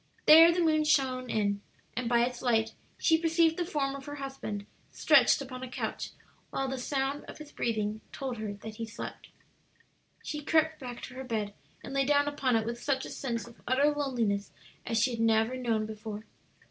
There the moon shone in, and by its light she perceived the form of her husband stretched upon a couch, while the sound of his breathing told her that he slept. She crept back to her bed, and lay down upon it with such a sense of utter loneliness as she had never known before.